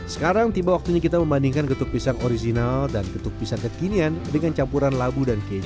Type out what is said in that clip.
sekarang tiba waktunya kita membandingkan getuk pisang original dan getuk pisang kekinian dengan campuran labu dan keju